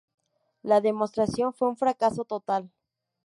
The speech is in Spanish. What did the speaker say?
La demostración fue un fracaso total.